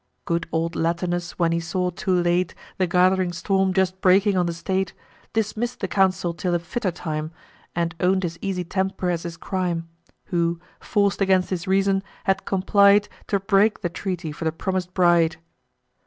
Good old Latinus, when he saw, too late, The gath'ring storm just breaking on the state, Dismiss'd the council till a fitter time, And own'd his easy temper as his crime, Who, forc'd against his reason, had complied To break the treaty for the promis'd bride.